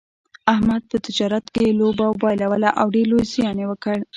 احمد په تجارت کې لوبه بایلوله او ډېر لوی زیان یې وکړ.